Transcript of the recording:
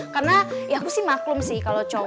karena ya aku sih maklum sih kalo cowok itu